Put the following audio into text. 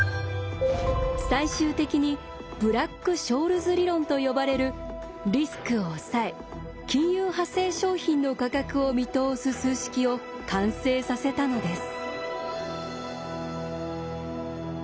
最終的にブラック・ショールズ理論と呼ばれるリスクをおさえ金融派生商品の価格を見通す数式を完成させたのです。